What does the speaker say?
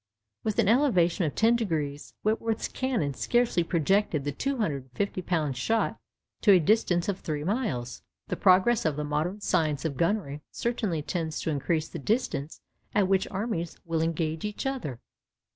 With an elevation of ten degrees, Whitworth's cannon scarcely projected the 250 lb. shot to a distance of three miles. The progress of the modern science of gunnery certainly tends to increase the distance at which armies will engage each other.